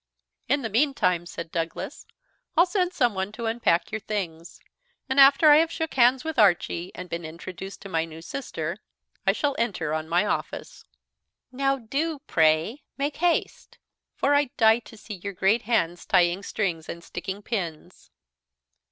"In the meantime," said Douglas, "I'll send someone to unpack your things; and after I have shook hands with Archie, and been introduced to my new sister, I shall enter on my office." "Now do, pray, make haste; for I die to see your great hands tying strings and sticking pins."